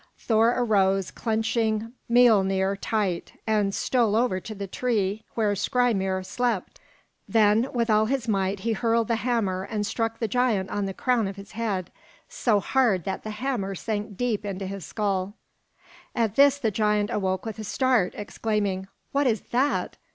Thor arose, clenching Miölnir tight, and stole over to the tree where Skrymir slept; then with all his might he hurled the hammer and struck the giant on the crown of his head, so hard that the hammer sank deep into his skull. At this the giant awoke with a start, exclaiming, "What is that?